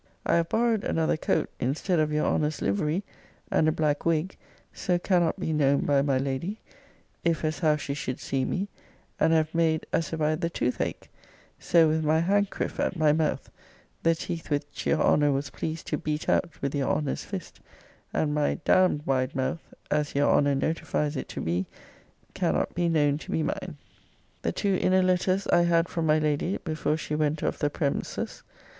I have borrowed another cote, instead of your Honner's liferie, and a blacke wigg; so cannot be knoen by my lady, iff as howe she shuld see me: and have made as if I had the tooth ake; so with my hancriffe at my mothe, the teth which your Honner was pleased to bett out with your Honner's fyste, and my dam'd wide mothe, as your Honner notifys it to be, cannot be knoen to be mine. The two inner letters I had from my lady, before she went off the prems's.